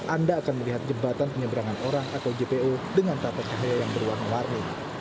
anda akan melihat jembatan penyeberangan orang atau jpo dengan tata cahaya yang berwarna warni